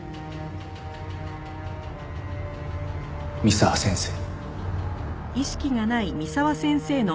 三沢先生。